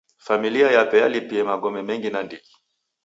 Familia yape yalipie magome mengi nandighi.